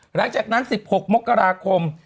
หลังจากนั้น๑๖มกราคม